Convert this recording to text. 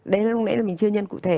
đến lúc nãy là mình chưa nhân cụ thể